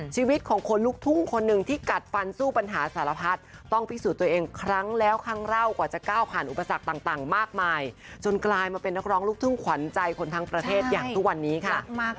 ชีวิตของคนลูกทุ่งคนหนึ่งที่กัดฟันสู้ปัญหาสารพัดต้องพิสูจน์ตัวเองครั้งแล้วครั้งเล่ากว่าจะก้าวผ่านอุปสรรคต่างมากมายจนกลายมาเป็นนักร้องลูกทุ่งขวัญใจคนทั้งประเทศอย่างทุกวันนี้ค่ะ